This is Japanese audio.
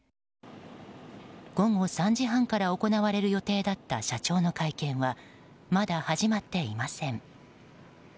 午後３時半から行われる予定だった社長の会見はまだ始まっていません。